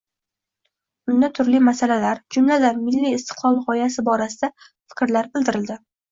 Unda turli masalalar, jumladan, milliy istiqlol g‘oyasi borasida fikrlar bildirildi